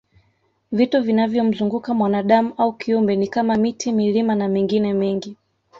Vitu vinavyomzunguka mwanadam au kiumbe ni kama miti milima na mengine mengi